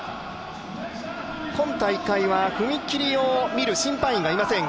今大会は踏み切りを見る審判員がいません。